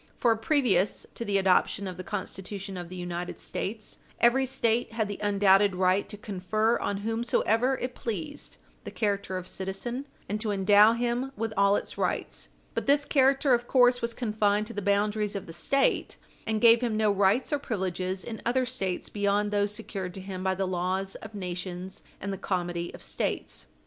For, previous to the adoption of the Constitution of the United States, every State had the undoubted right to confer on whomsoever it pleased the character of citizen, and to endow him with all its rights. But this character, of course, was confined to the boundaries of the State, and gave him no rights or privileges in other States beyond those secured to him by the laws of nations and the comity of States.